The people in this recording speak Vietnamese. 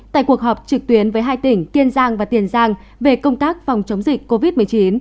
tại cuộc họp trực tuyến với hai tỉnh kiên giang và tiền giang về công tác phòng chống dịch covid một mươi chín